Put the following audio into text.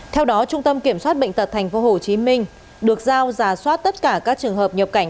theo đó trung tâm kiểm soát bệnh tật tp hcm được giao giả soát tất cả các trường hợp nhập cảnh